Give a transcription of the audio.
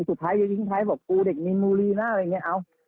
สุดท้ายยังยิ่งไทยบอกกูเด็กมีนบุรีนะอะไรอย่างเงี้ยเอ้า